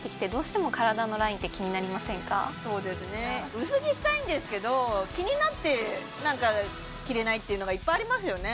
そうですね薄着したいんですけど気になってなんか着れないっていうのがいっぱいありますよね